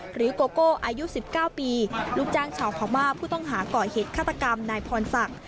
โกโก้อายุ๑๙ปีลูกจ้างชาวพม่าผู้ต้องหาก่อเหตุฆาตกรรมนายพรศักดิ์